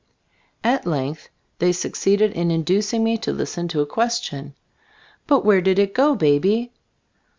At length they succeeded in induc ing me to listen to a question, "But where did it go, Baby